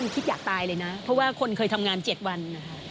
คิดอยากตายเลยนะเพราะว่าคนเคยทำงาน๗วัน